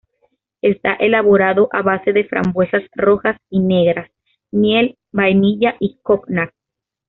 Está elaborado a base de frambuesas rojas y negras, miel, vainilla, y cognac.